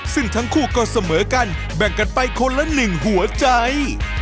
ซึ่งทั้งคู่ก็เสมอกันแบ่งกันไปคนละหนึ่งหัวใจ